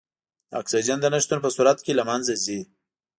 د اکسیجن د نه شتون په صورت کې له منځه ځي.